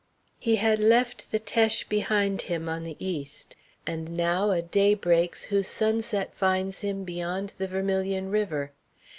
He had left the Teche behind him on the east. And now a day breaks whose sunset finds him beyond the Vermilion River.